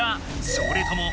それとも「！？」